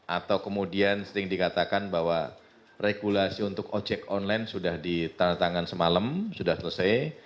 atau kemudian sering dikatakan bahwa regulasi untuk ojek online sudah ditandatangan semalam sudah selesai